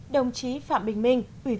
đồng chí phạm bình minh